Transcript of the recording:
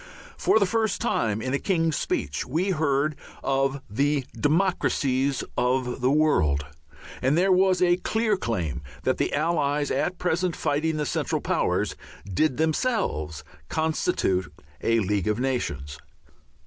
For the first time in a King's Speech we heard of the "democracies" of the world, and there was a clear claim that the Allies at present fighting the Central Powers did themselves constitute a League of Nations.